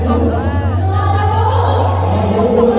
สวัสดีสวัสดี